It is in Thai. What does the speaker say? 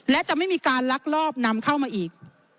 และจะไม่มีการลักลอบนำเข้ามาอีก